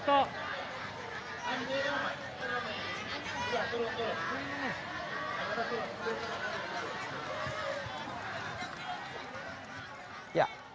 kalo yang lebih tinggi masih perlu begini